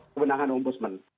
kewenangan om budsman